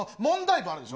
文あるでしょ。